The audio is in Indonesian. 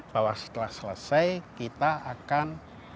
bahwa setelah selesai kita akan